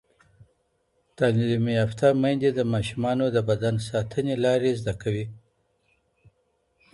تعلیم یافته میندې د ماشومانو د بدن ساتنې لارې زده کوي.